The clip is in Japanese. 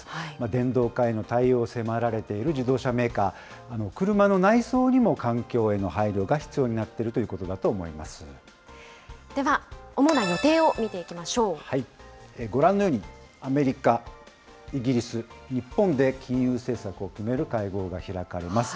電動化への対応を迫られている自動車メーカー、車の内装にも環境への配慮が必要になっているといでは主な予定を見ていきましご覧のように、アメリカ、イギリス、日本で金融政策を決める会合が開かれます。